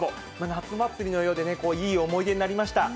夏祭りのようでね、いい思い出になりました。